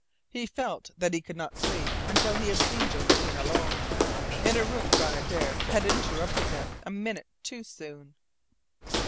He felt that he could not sleep until he had seen Josephine alone. In her room John Adare had interrupted them a minute too soon.